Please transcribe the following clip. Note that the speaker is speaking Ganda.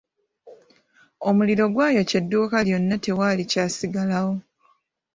Omuliro gwayokya edduuka lyonna tewali kyasigalawo.